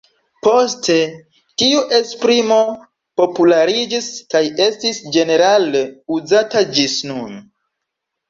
Poste tiu esprimo populariĝis kaj estis ĝenerale uzata gis nun.